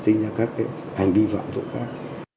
sinh ra các hành vi vi phạm tội phạm